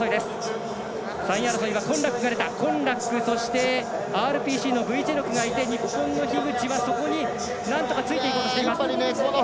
３位争いはコンラック、そしてＲＰＣのブィチェノクがいて日本の樋口は、そこになんとかついていこうとしています。